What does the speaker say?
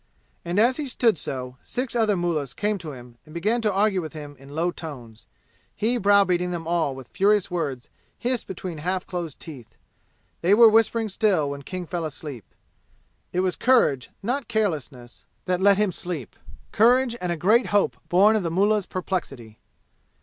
And as he stood so, six other mullahs came to him and began to argue with him in low tones, he browbeating them all with furious words hissed between half closed teeth. They were whispering still when King fell asleep. It was courage, not carelessness, that let him sleep courage and a great hope born of the mullah's perplexity.